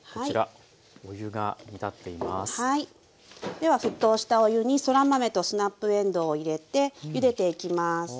では沸騰したお湯にそら豆とスナップえんどうを入れてゆでていきます。